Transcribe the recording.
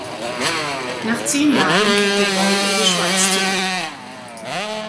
Nach zehn Jahren kehrte Beul in die Schweiz zurück.